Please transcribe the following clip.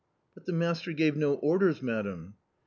" But the master gave no orders, madam